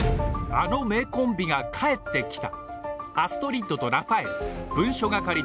あの名コンビが帰ってきた！